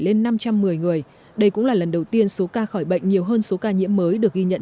lên năm trăm một mươi người đây cũng là lần đầu tiên số ca khỏi bệnh nhiều hơn số ca nhiễm mới được ghi nhận